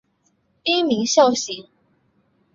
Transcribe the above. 滨名孝行。